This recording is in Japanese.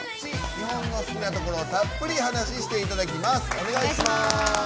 日本の好きなところをたっぷりお話ししていただきます。